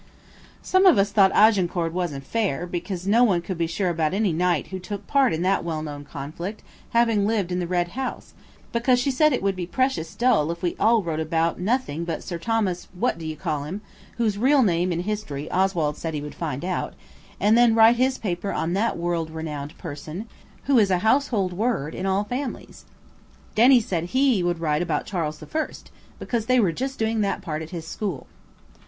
Some of us thought Agincourt wasn't fair, because no one could be sure about any knight who took part in that well known conflict having lived in the Red House; but Alice got us to agree, because she said it would be precious dull if we all wrote about nothing but Sir Thomas What do you call him–whose real name in history Oswald said he would find out, and then write his paper on that world renowned person, who is a household word in all families. Denny said he would write about Charles the First, because they were just doing that part at his school.